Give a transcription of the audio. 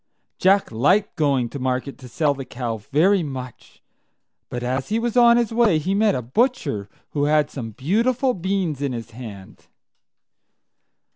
Jack liked going to market to sell the cow very much; but as he was on his way, he met a butcher who had some beautiful beans in his hand.